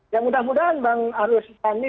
ya mudah mudahan bang arul sultani